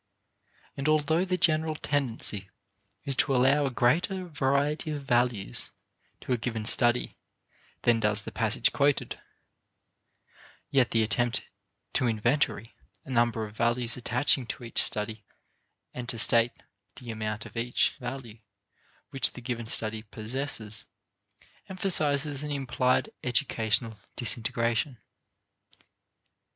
And although the general tendency is to allow a greater variety of values to a given study than does the passage quoted, yet the attempt to inventory a number of values attaching to each study and to state the amount of each value which the given study possesses emphasizes an implied educational disintegration.